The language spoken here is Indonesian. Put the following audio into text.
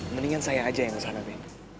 mendingan saya aja yang kesana